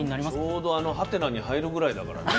ちょうどあのハテナに入るぐらいだからね